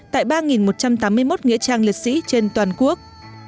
tại ba một trăm tám mươi một nghĩa trang liệt sĩ trên toàn quốc